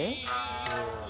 そう。